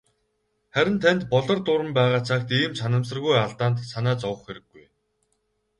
Харин танд "Болор дуран" байгаа цагт ийм санамсаргүй алдаанд санаа зовох хэрэггүй.